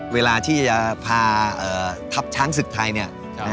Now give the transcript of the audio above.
เวลาที่ท่าช้างศึกไทยเนี่ย